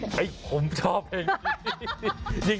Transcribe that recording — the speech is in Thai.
ให้ผมชอบเพลงนี้